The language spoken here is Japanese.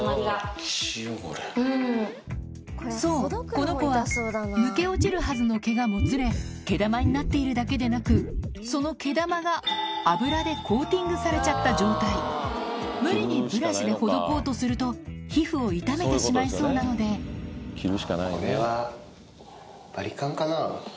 そうこの子は抜け落ちるはずの毛がもつれ毛玉になっているだけでなくその毛玉が脂でコーティングされちゃった状態無理にブラシでほどこうとすると皮膚を痛めてしまいそうなのでうん。